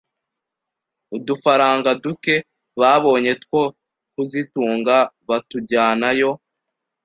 udufaranga duke babonye two kuzitunga batujyanayo